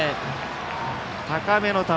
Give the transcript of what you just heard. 高めの球。